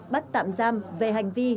bắt tạm giam về hành vi